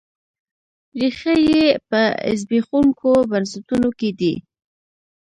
ریښې یې په زبېښونکو بنسټونو کې دي.